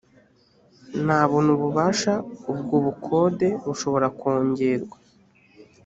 nabona ububasha ubwo bukode bushobora kongerwa